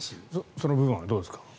その部分はどうですか？